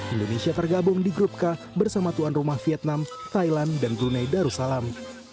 indonesia tergabung di grup k bersama tuan rumah vietnam thailand dan brunei darussalam